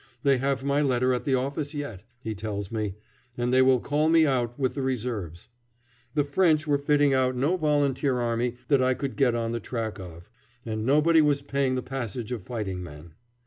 They have my letter at the office yet, he tells me, and they will call me out with the reserves. The French were fitting out no volunteer army that I could get on the track of, and nobody was paying the passage of fighting men.